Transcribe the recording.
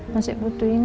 masih butuh ini